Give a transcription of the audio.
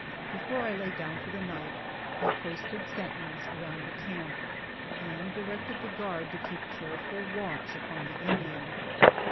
Before I lay down for the night I posted sentinels around the camp, and directed the guard to keep careful watch upon the Indian.